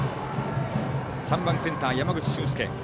３番、センターの山口駿介。